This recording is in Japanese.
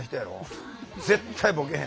絶対ボケへんで。